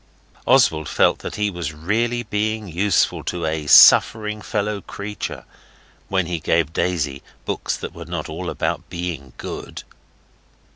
Oswald felt that he was really being useful to a suffering fellow creature when he gave Daisy books that were not all about being good.